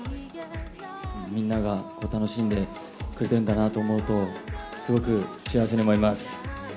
みんなが楽しんでくれてるんだなと思うと、すごく幸せに思います。